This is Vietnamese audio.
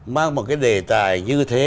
mang một cái đề tài như thế